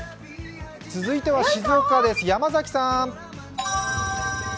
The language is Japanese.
続いては静岡です、山崎さん